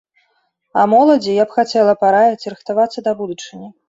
А моладзі я б хацела параіць рыхтавацца да будучыні.